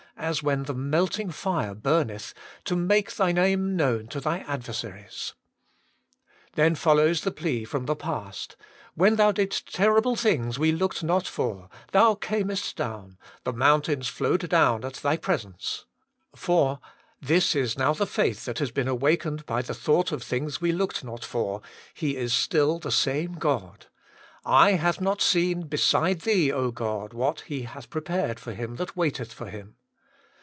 as when the melting fire burneth, to make Thy name known to Thy adversaries !' Then follows the plea from the past, ' When Thou didst terrible things we looked not for. Thou earnest down, the mountains flowed down at Thy presence.' *For' — this is now the faith that has been awakened by the thought of things we looked not for. He is still the same God —* eye hath not seen beside Thee, God, what He hath prepared for him that waiteth for Him.'